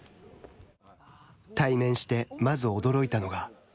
対面してまず驚いたのが。